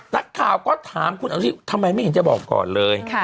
นักข่าวก็ถามคุณอนุทิทำไมไม่เห็นจะบอกก่อนเลย